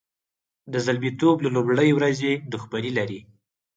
د زلمیتوب له لومړۍ ورځې دښمني لري.